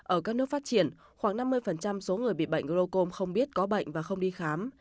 ở các nước phát triển khoảng năm mươi số người bị bệnh glocom không biết có bệnh và không đi khám